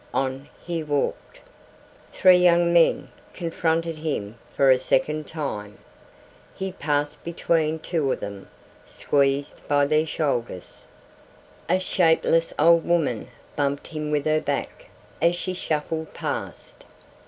On he walked. Three young men confronted him for a second time. He passed between two of them, squeezed by their shoulders. A shapeless old woman bumped him with her back as she shuffled past.